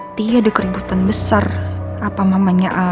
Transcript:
berarti ada keributan besar apa mamanya al